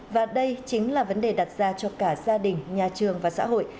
và đây chính là vấn đề đặt ra cho cả gia đình nhà trường và xã hội